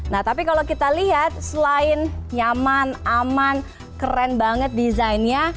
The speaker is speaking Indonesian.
nah tapi kalau kita lihat selain nyaman aman keren banget desainnya